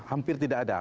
hampir tidak ada